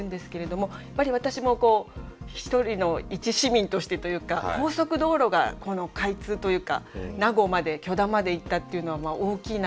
私も一人の一市民としてというか高速道路が開通というか名護まで許田まで行ったっていうのは大きいなと思って。